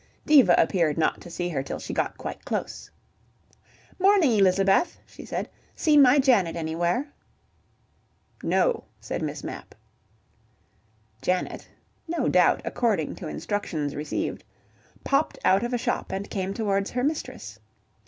Diva appeared not to see her till she got quite close. "Morning, Elizabeth," she said. "Seen my Janet anywhere?" "No," said Miss Mapp. Janet (no doubt according to instructions received) popped out of a shop, and came towards her mistress.